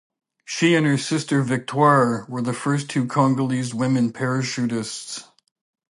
She and her sister Victoire were the first two Congolese women parachutists.